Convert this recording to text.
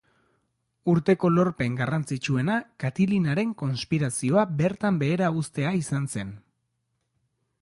Urteko lorpen garrantzitsuena Katilinaren konspirazioa bertan behera uztea izan zen.